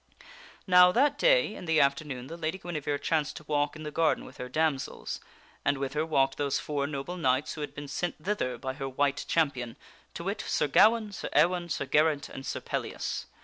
Now, that day, in the afternoon, the Lady Guinevere chanced to walk in the garden with her damsels, and with her walked those four noble The Lady Guine knights who had been sent thither by her White Champion, vere mocketh the to wit, Sir Gawaine, Sir Ewaine, Sir Geraint, and Sir Pellias.